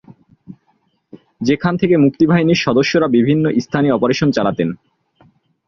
যেখান থেকে মুক্তিবাহিনীর সদস্যরা বিভিন্ন স্থানে অপারেশন চালাতেন।